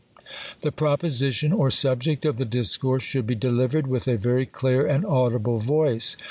The proposition, or subject of the discourse should be delivered with a very clear and audible voice.